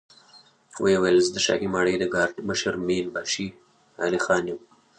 ويې ويل: زه د شاهي ماڼۍ د ګارد مشر مين باشي علی خان يم.